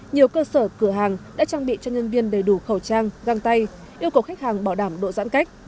nhiều cơ sở cửa hàng đã trang bị cho nhân viên đầy đủ khẩu trang găng tay yêu cầu khách hàng bảo đảm độ giãn cách